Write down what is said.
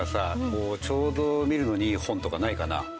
こうちょうど見るのにいい本とかないかな？